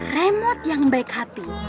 remote yang baik hati